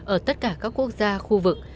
ở tất cả các quốc gia khu vực